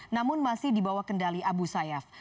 namun masih dibawa kendali abu sayyaf